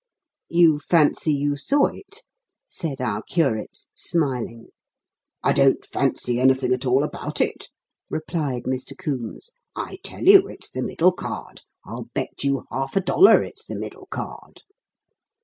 "You fancy you saw it," said our curate, smiling. "I don't 'fancy' anything at all about it," replied Mr. Coombes, "I tell you it's the middle card. I'll bet you half a dollar it's the middle card."